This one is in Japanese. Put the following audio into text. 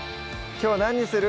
きょう何にする？